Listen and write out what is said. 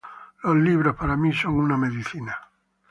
Los libros, para mi, son una medicina.